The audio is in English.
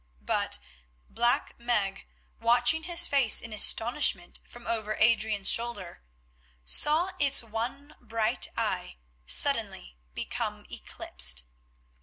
But Black Meg, watching his face in astonishment from over Adrian's shoulder, saw its one bright eye suddenly become eclipsed.